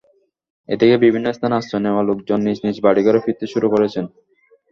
এদিকে বিভিন্ন স্থানে আশ্রয় নেওয়া লোকজন নিজ নিজ বাড়িঘরে ফিরতে শুরু করেছেন।